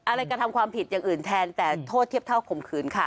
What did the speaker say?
อะไรกระทำความผิดอย่างอื่นแทนแต่โทษเทียบเท่าข่มขืนค่ะ